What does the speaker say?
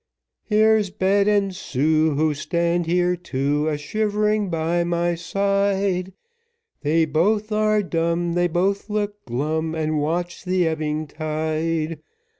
Here's Bet and Sue Who stand here too, A shivering by my side, They both are dumb, They both look glum, And watch the ebbing tide.